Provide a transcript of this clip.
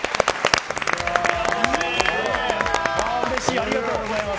ありがとうございます！